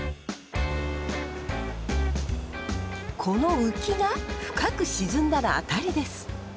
このウキが深く沈んだらアタリです。